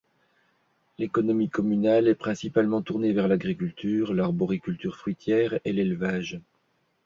L'économie communale est principalement tournée vers l'agriculture, l'arboriculture fruitière et l'élevage.